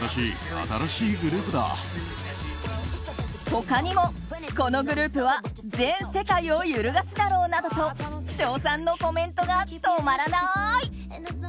他にも、「このグループは全世界を揺るがすだろう」などと称賛のコメントが止まらない。